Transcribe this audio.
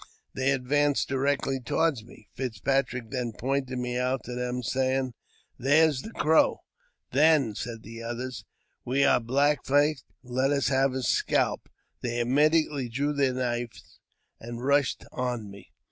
They advanced directly toward me. Fitzpatrick then pointed me out to them, saying, " There's the Crow." " Then," said the others, '* we are Black Feet, and let us have his scalp." They immediately drew their knives and rushed on me.